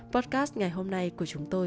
podcast ngày hôm nay của chúng tôi